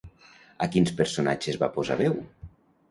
A quins personatges va posar veu?